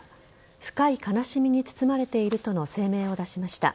深い悲しみに包まれているとの声明を出しました。